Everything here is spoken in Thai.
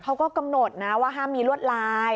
เขาก็กำหนดนะว่าห้ามมีลวดลาย